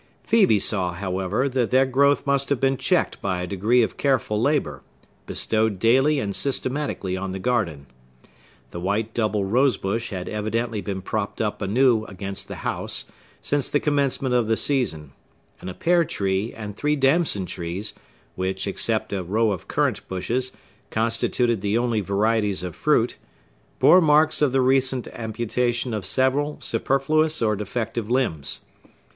Phœbe saw, however, that their growth must have been checked by a degree of careful labor, bestowed daily and systematically on the garden. The white double rosebush had evidently been propped up anew against the house since the commencement of the season; and a pear tree and three damson trees, which, except a row of currant bushes, constituted the only varieties of fruit, bore marks of the recent amputation of several superfluous or defective limbs.